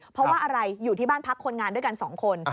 เพราะว่าอะไรอยู่ที่บ้านพักคนงานด้วยกัน๒คน